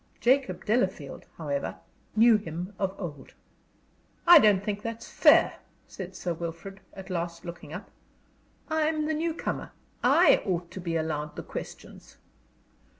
Jacob Delafield, however, knew him of old. "I don't think that's fair," said Sir Wilfrid, at last, looking up. "I'm the new comer; I ought to be allowed the questions."